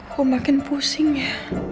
kok makin pusing ya